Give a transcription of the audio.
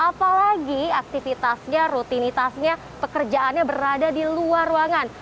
apalagi aktivitasnya rutinitasnya pekerjaannya berada di luar ruangan